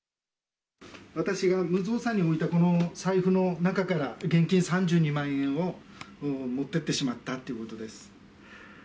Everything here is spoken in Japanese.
私が無造作に置いたこの財布の中から、現金３２万円を持ってってしまったということです。